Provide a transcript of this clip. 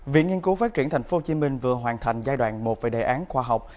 viện nghiên cứu phát triển thành phố hồ chí minh vừa hoàn thành giai đoạn một về đề án khoa học